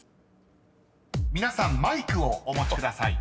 ［皆さんマイクをお持ちください］